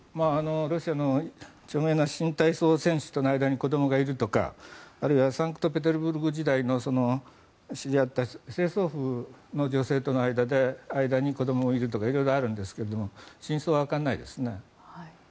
ロシアの著名な新体操選手との間に子どもがいるとかあるいはサンクトペテルブルク時代に知り合った清掃婦の女性との間に子どもがいるとか色々あるんですが真相はわからないですね。